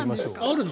ある。